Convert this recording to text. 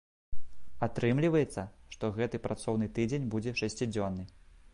Атрымліваецца, што гэты працоўны тыдзень будзе шасцідзённы.